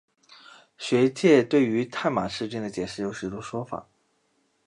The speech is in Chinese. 学界对于探马赤军的解释有许多说法。